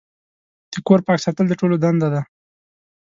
د کور پاک ساتل د ټولو دنده ده.